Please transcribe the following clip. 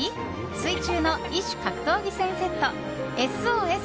「水中の異種格闘技戦セット」「ＳＯＳ！